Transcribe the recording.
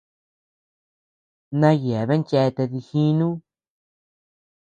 Na yeabean cheatea dijinu.